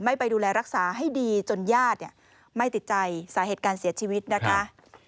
ไปดูแลรักษาให้ดีจนญาติไม่ติดใจสาเหตุการเสียชีวิตนะคะ